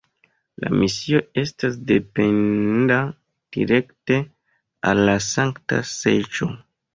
La misio estas dependa direkte al la Sankta Seĝo.